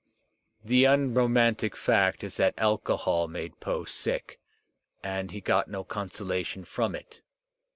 The unromantic fact is that alcohol made Poe sick and he got no consolation from it.